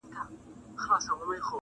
د پښتنو ځوانانو تر منځ د دلیل